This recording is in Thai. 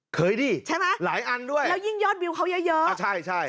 เคยดิหลายอันด้วยใช่ไหมแล้วยิ่งยอดวิวเขาเยอะใช่